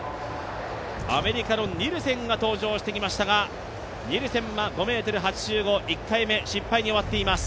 アメリカのニルセンが登場してきましたがニルセンは５ｍ８５、１回目失敗に終わっています。